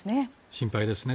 心配ですね。